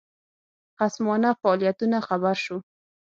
خصمانه فعالیتونو خبر شو.